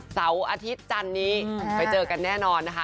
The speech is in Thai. เสาร์อาทิตย์จันนี้ไปเจอกันแน่นอนนะคะ